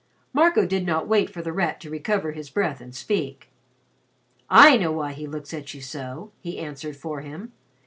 Marco did not wait for The Rat to recover his breath and speak. "I know why he looks at you so," he answered for him.